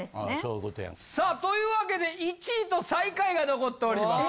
さあというわけで１位と最下位が残っております。